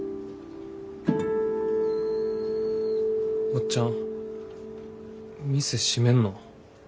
おっちゃん店閉めんの？